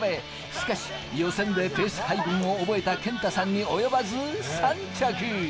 しかし予選でペース配分を覚えた、けんたさんに及ばず３着。